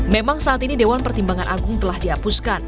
memang saat ini dewan pertimbangan agung telah dihapuskan